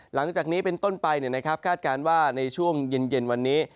หลังจากนี้เป็นต้นไปคาดการณ์ว่าในช่วงเย็นวันนี้